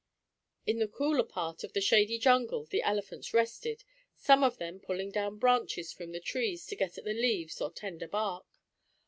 In the cooler part of the shady jungle the elephants rested, some of them pulling down branches from the trees to get at the leaves or tender bark.